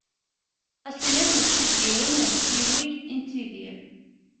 Ad s-tiniḍ mačči deg yiwen wemtiweg i nettidir.